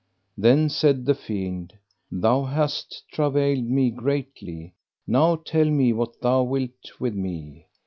Then said the fiend: Thou hast travailed me greatly; now tell me what thou wilt with me.